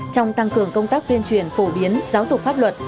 trong tăng cường công tác tuyên truyền phổ biến giáo dục pháp luật